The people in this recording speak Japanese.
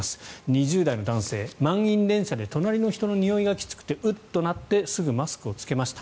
２０代の男性満員電車で隣の人のにおいがきつくてウッとなってすぐマスクを着けました。